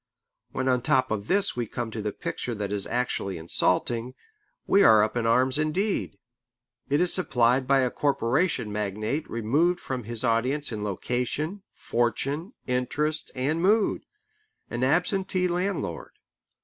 When on top of this we come to the picture that is actually insulting, we are up in arms indeed. It is supplied by a corporation magnate removed from his audience in location, fortune, interest, and mood: an absentee landlord.